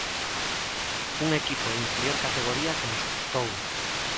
Un equipo de inferior categoría que nos custou.